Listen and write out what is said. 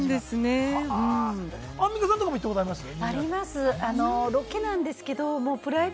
アンミカさんとかも行ったことありますか？